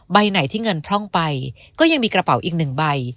ไหนที่เงินพร่องไปก็ยังมีกระเป๋าอีกหนึ่งใบ